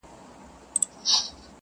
• د شته من مړی یې تل غوښتی له خدایه -